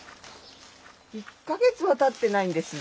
１か月はたってないんです。